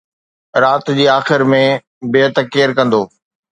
رات جي آخر ۾ بيعت ڪير ڪندو؟